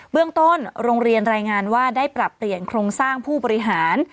เรื่องต้นโรงเรียนรายงานว่าได้ปรับเปลี่ยนโครงสร้างผู้บริหาร